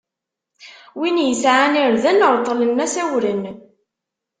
Win isɛan irden, reṭṭlen-as awren.